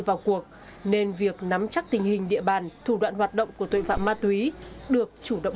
vào cuộc nên việc nắm chắc tình hình địa bàn thủ đoạn hoạt động của tội phạm ma túy được chủ động